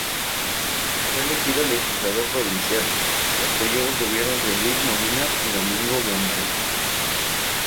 Fue elegido legislador provincial, y apoyó los gobiernos de Luis Molina y Domingo Bombal.